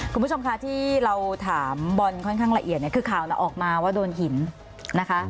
คุณผู้ชมคะที่เราถามบอลค่อนข้างละเอียดเนี่ยคือข่าวออกมาว่าโดนหินนะคะ